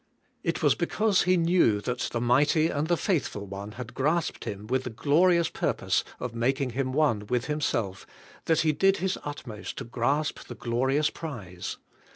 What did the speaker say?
It was because he knew that the mighty and the faith ful One had grasped him with the glorious purpose of making him one with Himself, that he did his utmost to grasp the glorious prize.